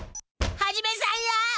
ハジメさんや！